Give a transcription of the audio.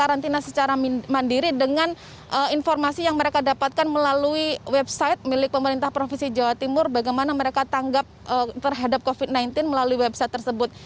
karena mereka belum bisa melakukan karantina secara mandiri dengan informasi yang mereka dapatkan melalui website milik pemerintah provinsi jawa timur bagaimana mereka tanggap terhadap covid sembilan belas melalui website tersebut